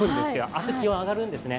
明日、気温、上がるんですね。